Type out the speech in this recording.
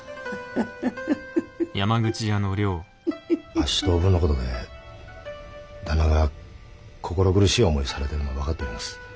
あっしとおぶんの事で旦那が心苦しい思いされてるのは分かっております。